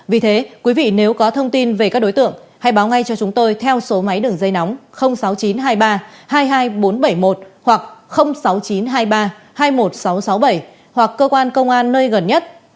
vì thế quý vị nếu có thông tin về các đối tượng hãy báo ngay cho chúng tôi theo số máy đường dây nóng sáu mươi chín hai mươi ba hai mươi hai nghìn bốn trăm bảy mươi một hoặc sáu mươi chín hai mươi ba hai mươi một nghìn sáu trăm sáu mươi bảy hoặc cơ quan công an nơi gần nhất